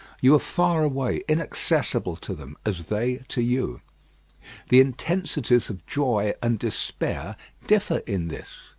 You are far away; inaccessible to them, as they to you. The intensities of joy and despair differ in this.